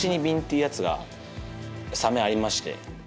いうやつがサメありまして。